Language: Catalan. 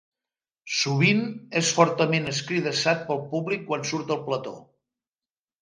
Sovint és fortament escridassat pel públic quan surt al plató.